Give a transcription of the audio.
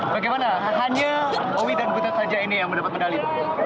bagaimana hanya owi dan butet saja ini yang mendapat medali